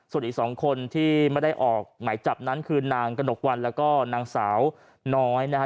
ส่วนอีก๒คนที่ไม่ได้ออกหมายจับนั้นคือนางกระหนกวันแล้วก็นางสาวน้อยนะฮะ